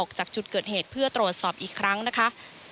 จากจุดเกิดเหตุเพื่อตรวจสอบอีกครั้งนะคะ